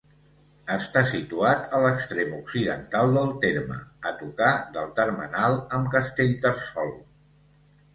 Està situat a l'extrem occidental del terme, a tocar del termenal amb Castellterçol.